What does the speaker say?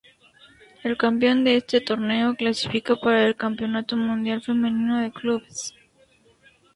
El campeón de este torneo clasifica para el Campeonato Mundial Femenino de Clubes.